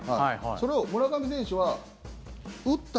それを村上選手は打った